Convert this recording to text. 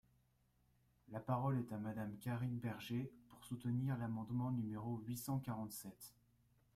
La parole est à Madame Karine Berger, pour soutenir l’amendement numéro huit cent quarante-sept.